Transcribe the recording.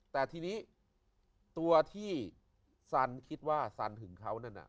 แต่ทีนี้ตัวที่สันคิดว่าสันหึงเขานั่นน่ะ